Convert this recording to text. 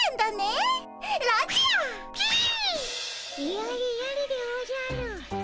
・やれやれでおじゃる。